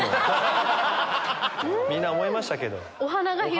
みんな思いましたけど。